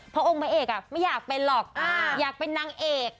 เพราะองค์พระเอกไม่อยากเป็นหรอกอยากเป็นนางเอก